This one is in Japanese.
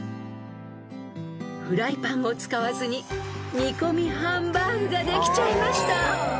［フライパンを使わずに煮込みハンバーグができちゃいました］